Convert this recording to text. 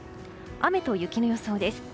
雨と雪の予想です。